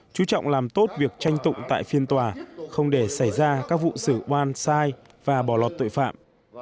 chú trọng làm tốt việc tranh tụng tại phiên tòa không để xảy ra các vụ sử oan sai và bỏ lọt tội phạm